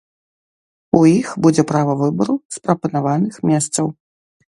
У іх будзе права выбару з прапанаваных месцаў.